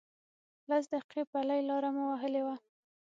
لس دقیقې پلی لاره مو وهلې وه.